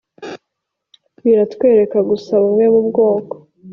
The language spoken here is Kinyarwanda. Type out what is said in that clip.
biratwereka gusa bumwe mu bwoko